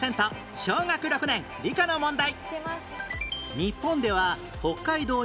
小学６年理科の問題